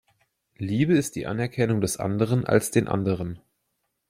Liebe ist die Anerkennung des Anderen als den Anderen.